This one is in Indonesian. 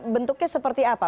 bentuknya seperti apa